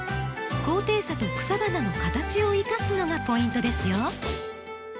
高低差と草花の形を生かすのがポイントですよ。